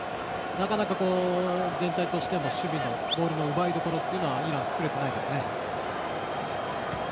なかなか、全体として守備のボールの奪いどころがイランは作れていないですね。